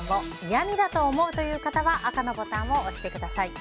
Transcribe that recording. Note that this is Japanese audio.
嫌みだと思うという方は赤のボタンを押してください。